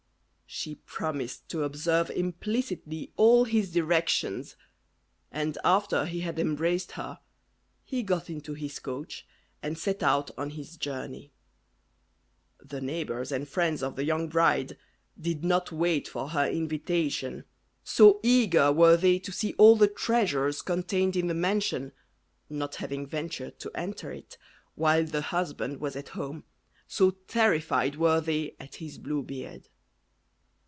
She promised to observe implicitly all his directions, and after he had embraced her, he got into his coach and set out on his journey. The neighbours and friends of the young bride did not wait for her invitation, so eager were they to see all the treasures contained in the mansion, not having ventured to enter it while the husband was at home, so terrified were they at his blue beard.